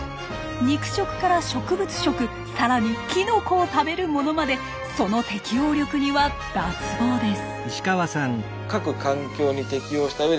肉食から植物食更にキノコを食べるものまでその適応力には脱帽です。